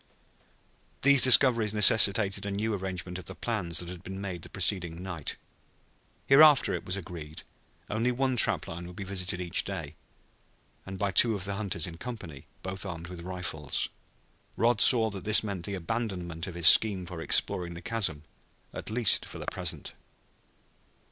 These discoveries necessitated a new arrangement of the plans that had been made the preceding night. Hereafter, it was agreed, only one trap line would be visited each day, and by two of the hunters in company, both armed with rifles. Rod saw that this meant the abandonment of his scheme for exploring the chasm, at least for the present.